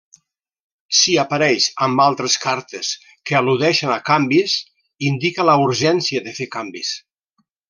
Si apareix amb altres cartes que al·ludeixen a canvis, indica la urgència de fer canvis.